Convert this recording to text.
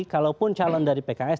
kalaupun calon dari pks